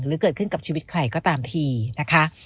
เกิดขึ้นกับชีวิตใครก็ตามทีนะคะ